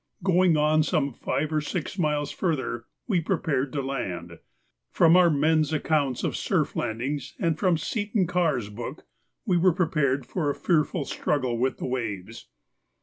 Going on some five or six miles further we then prepared to land. From our men's accounts of surf landings and from Seton Karr's book, we were prepared for a fearful struggle with the waves.